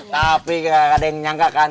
tapi gak ada yang menyangka kan